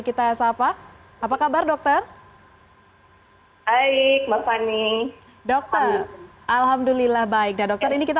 kata kata apa kabar dokter hai baik maaf aneh dokter alhamdulillah baik dan dokter ini kita